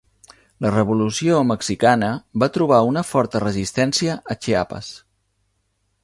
La Revolució mexicana va trobar una forta resistència a Chiapas.